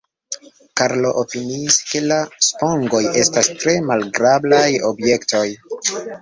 Karlo opiniis, ke la spongoj estas tre malagrablaj objektoj.